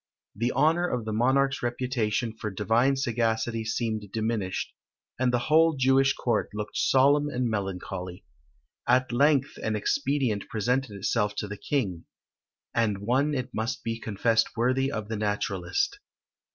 The honour of the monarch's reputation for divine sagacity seemed diminished, and the whole Jewish court looked solemn and melancholy. At length an expedient presented itself to the king; and one it must be confessed worthy of the naturalist.